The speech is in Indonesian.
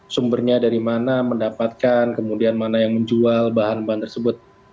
sumbernya dari mana mendapatkan kemudian mana yang menjual bahan bahan tersebut